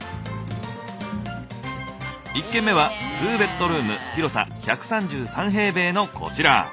１軒目は２ベッドルーム広さ１３３平米のこちら。